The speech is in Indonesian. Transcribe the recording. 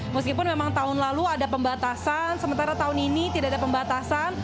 meskipun memang tahun lalu ada pembatasan sementara tahun ini tidak ada pembatasan